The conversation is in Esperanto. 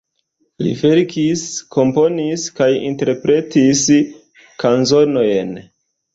Li verkis, komponis kaj interpretis kanzonojn.